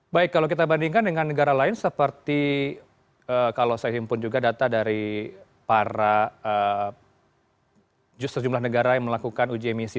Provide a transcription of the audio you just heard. baik kalau kita bandingkan dengan negara lain seperti kalau saya himpun juga data dari para justru jumlah negara yang melakukan uji emisi